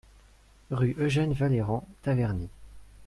Rue Eugène Vallerand, Taverny